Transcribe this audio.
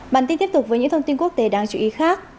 bản tin tiếp tục với những thông tin quốc tế đáng chú ý khác